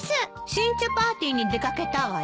新茶パーティーに出掛けたわよ。